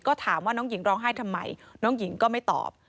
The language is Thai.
ก็ถามว่าน้องหญิงร้องไห้ทำไมน้องหญิงก็ไม่ตอบ